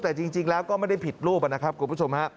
แต่จริงแล้วก็ไม่ได้ผิดรูปนะครับคุณผู้ชมฮะ